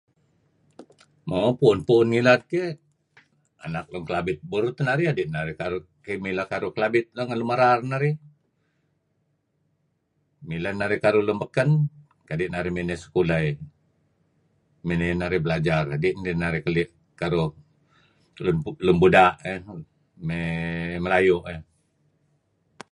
mo puun puun ngilad keh anak lun kelabit burur teh narih kadi narih mileh karuh kelabit ngen lun merar narih mileh narih karuh lun beken kadi narih miney sekulah eh miney narih belajar naru karuh lun buda eh me' melayu eh